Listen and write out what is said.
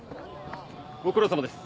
ご苦労さまです。